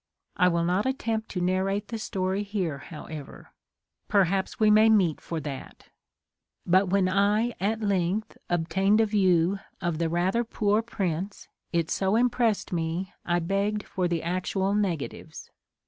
I will not attempt to nar rate the story here, however — ^perhaps we 23 THE COMING OF THE FAIRIES may meet for that — but when I at length ob tained a view of the rather poor prints it so impressed me I begged for the actual nega tives.